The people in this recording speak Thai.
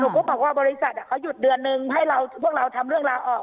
ก็บอกว่าบริษัทเขาหยุดเดือนนึงให้เราพวกเราทำเรื่องราวออก